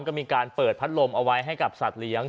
ก็มีการเปิดพัดลมเอาไว้ให้กับสัตว์เลี้ยง